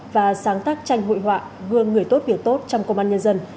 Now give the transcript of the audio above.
và sáng tác tranh hội họa gương người tốt việc tốt trong công an nhân dân